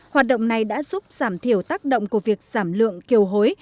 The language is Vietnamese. hoạt động này đã giúp giảm thiểu tác động của việc giảm lượng kiều hối